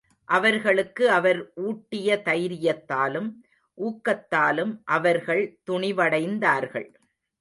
அவர்களுக்கு அவர் ஊட்டிய தைரியத்தாலும், ஊக்கத்தாலும் அவர்கள் துணிவடைந்தார்கள்.